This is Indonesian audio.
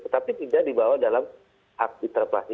tapi tidak dibawa dalam hak interpelasi